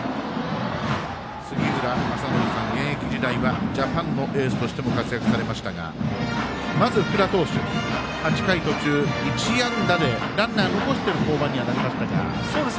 杉浦正則さん、現役時代はジャパンのエースとしても活躍されましたがまず、福田投手、８回途中１安打でランナー残しての降板にはなりましたが。